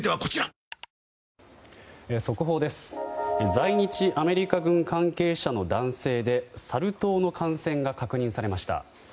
在日アメリカ軍関係者の男性でサル痘の感染が確認されました。